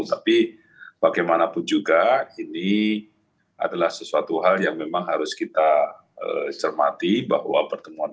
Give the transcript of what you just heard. tapi bagaimanapun juga ini adalah sesuatu hal yang memang harus kita cermati bahwa pertemuan